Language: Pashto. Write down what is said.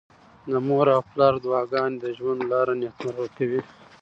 د مور او پلار دعاګانې د ژوند لاره نېکمرغه کوي.